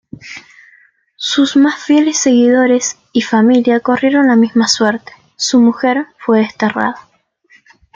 Sus más fieles seguidores y familia corrieron la misma suerte, su mujer fue desterrada.